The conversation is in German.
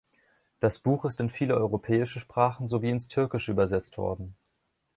Das Buch ist in viele europäische Sprachen sowie ins Türkische übersetzt worden.